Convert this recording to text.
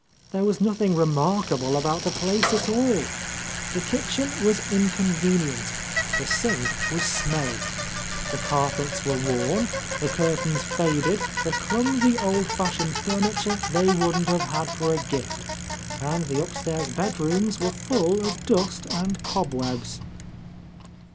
There was nothing remarkable about the place at alll The kitchen was inconvenient, the sink was smelly. The carpets were worn, the curtains faded, the clumsy, old fashioned furniture they wouldn't have had for a gift, and the up stairs bed rooms were full of dust and cobwebs.